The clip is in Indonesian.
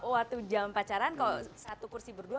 waktu jam pacaran kalau satu kursi berdua